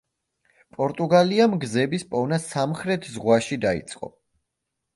პორტუგალიამ გზების პოვნა სამხრეთ ზღვაში დაიწყო.